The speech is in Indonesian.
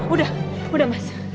udah udah mas